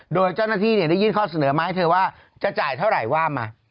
โดยเจ้าหน้าที่ได้ยื่นข้อเสนอมาให้เธอว่าจะจ่ายเท่าไหร่ว่ามา